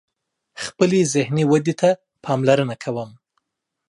خپلی ذهنی ودي ته پاملرنه کوم